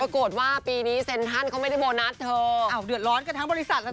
ปรากฏว่าปีนี้เซ็นทันเค้าไม่ได้โบนัสเถอะอ่าวเดือดร้อนก็ทั้งบริษัทล่ะสิ